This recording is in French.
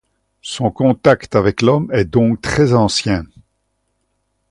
Son contact avec l'Homme est donc très ancien.